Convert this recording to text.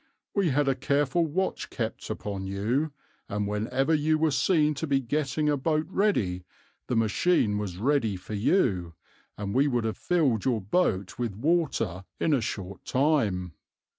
We had a careful watch kept upon you, and whenever you were seen to be getting a boat ready the machine was ready for you, and we would have filled your boat with water in a short time.'